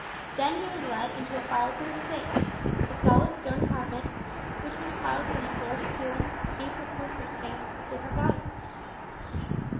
Then he was led into a fireproof safe a solid stone apartment which was piled from floor to ceiling with sheets of postage stamps of different values.